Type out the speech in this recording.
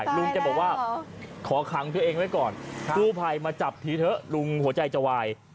ลุงแกบอกว่าขอขังตัวเองไว้ก่อนกู้ภัยมาจับทีเถอะลุงหัวใจจะวาย